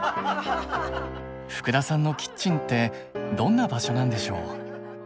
福田さんのキッチンってどんな場所なんでしょう？